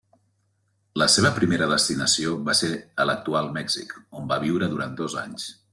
La seva primera destinació va ser a l'actual Mèxic, on va viure durant dos anys.